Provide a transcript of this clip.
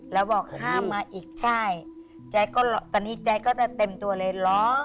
แล้วบอกให้ห้ามมาอีกใช่แจ๊กก็ตอนนี้แจ๊กก็จะเต็มตัวเลยร้อง